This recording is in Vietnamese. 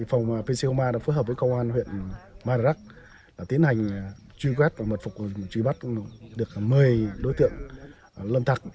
phòng pcoma đã phối hợp với cơ quan huyện madarak tiến hành truy quét và mật phục truy bắt được một mươi đối tượng lâm tặc